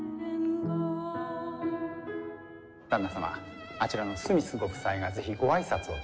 旦那様あちらのスミスご夫妻が是非ご挨拶をと。